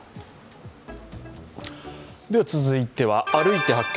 続いては「歩いて発見！